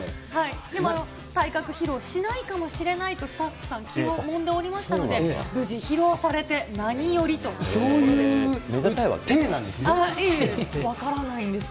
でもあの、体格披露しないかもしれないとスタッフさん、気をもんでいましたので、無事、披露されて何よりと。分からないんですよ。